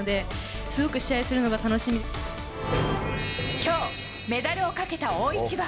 今日、メダルをかけた大一番。